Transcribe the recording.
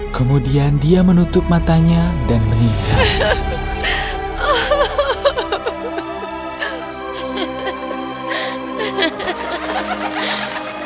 kemudian dia menutup matanya dan menikah